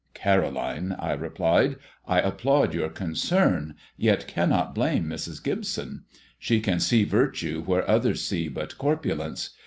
"Caroline," I replied, "I applaud your concern, yet cannot blame Mrs. Gibson. She can see virtue where others see but corpulence.